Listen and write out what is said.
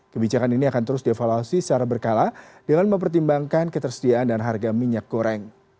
kebijakan ini akan terus dievaluasi secara berkala dengan mempertimbangkan ketersediaan dan harga minyak goreng